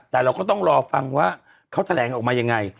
แต่เราก็ต้องรอฟังว่าเขาแถลงออกมายังไง